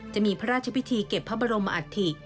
จะมีพระราชพิธีเก็บพระบรมอัฐิ